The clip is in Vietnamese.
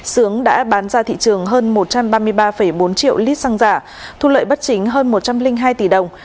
sướng đã bán ra thị trường hơn một trăm ba mươi ba bốn triệu lít xăng giả thu lợi bất chính hơn một trăm linh hai tỷ đồng